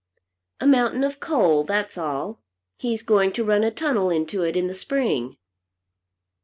"A mountain of coal; that's all. He's going to run a tunnel into it in the Spring."